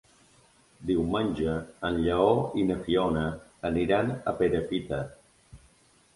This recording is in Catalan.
Diumenge en Lleó i na Fiona aniran a Perafita.